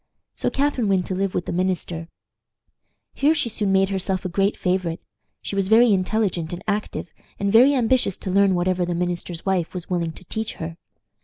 So Catharine went to live with the minister. Here she soon made herself a great favorite. She was very intelligent and active, and very ambitious to learn whatever the minister's wife was willing to teach her.